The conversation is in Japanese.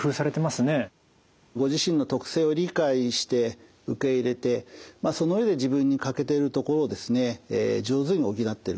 ご自身の特性を理解して受け入れてその上で自分に欠けているところを上手に補っている。